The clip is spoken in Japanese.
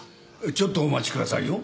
ちょっとお待ちくださいよ。